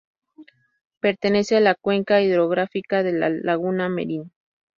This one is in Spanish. Pertenece a la cuenca hidrográfica de la laguna Merín.